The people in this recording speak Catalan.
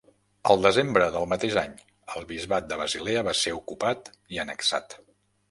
Al desembre del mateix any, el bisbat de Basilea va ser ocupat i annexat.